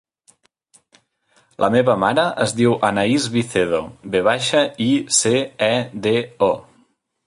La meva mare es diu Anaïs Vicedo: ve baixa, i, ce, e, de, o.